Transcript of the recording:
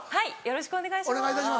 よろしくお願いします。